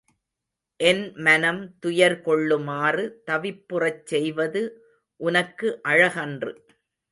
என் மனம் துயர் கொள்ளுமாறு தவிப்புறச் செய்வது உனக்கு அழகன்று.